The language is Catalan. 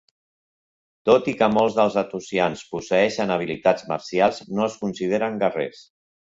Tot i que molts dels Athosians posseeixen habilitats marcials, no es consideren guerrers.